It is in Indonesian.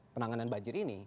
penanganan banjir ini